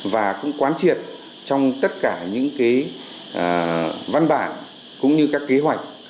và cũng quán triệt trong tất cả những văn bản cũng như các kế hoạch